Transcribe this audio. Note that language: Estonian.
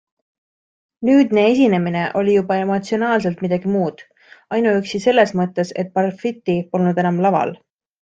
Nüüdne esinemine oli juba emotsionaalselt midagi muud, ainuüksi selles mõttes, et Parfitti polnud enam laval.